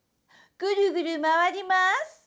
ぐるぐるまわりまーす。